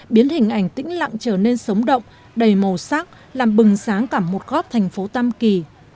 biến hình ảnh tĩnh lặng trở nên sống động đầy màu sắc làm bừng sáng cả một góp thành phố tam kỳ